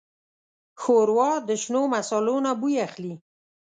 ښوروا د شنو مصالو نه بوی اخلي.